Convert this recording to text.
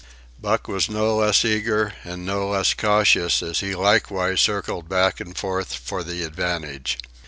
Buck was no less eager, and no less cautious, as he likewise circled back and forth for the advantage.